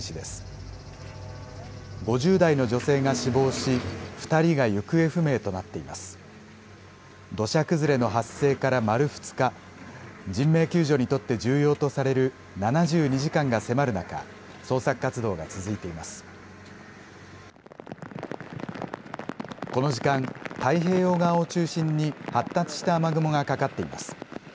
この時間、太平洋側を中心に発達した雨雲がかかっています。